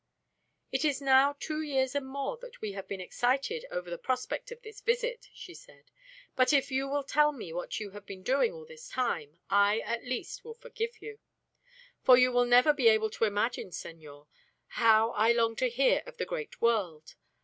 "It is now two years and more that we have been excited over the prospect of this visit," she said. "But if you will tell me what you have been doing all this time, I, at least, will forgive you; for you will never be able to imagine, senor, how I long to hear of the great world.